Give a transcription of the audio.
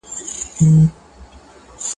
• بېړۍ خپل سفر له سره وو نیولی -